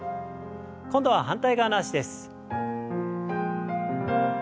今度は反対側の脚です。